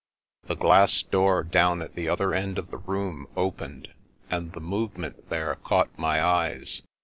The glass door down at the other end of the room opened, and the movement there caught my eyes.